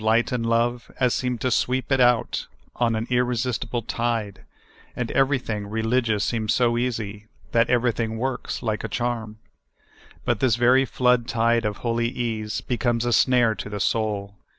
light and love as seem to sweep it out on an irresistible tide, and everything re ligious seems so easy, that everything works like a charm. But this very flood tide of holy ease becomes a snare to the soul.